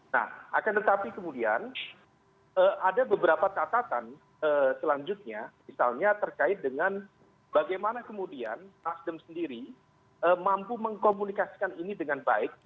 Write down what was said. nah akan tetapi kemudian ada beberapa catatan selanjutnya misalnya terkait dengan bagaimana kemudian nasdem sendiri mampu mengkomunikasikan ini dengan baik